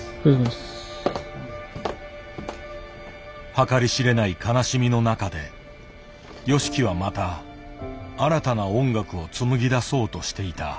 計り知れない悲しみの中でＹＯＳＨＩＫＩはまた新たな音楽を紡ぎ出そうとしていた。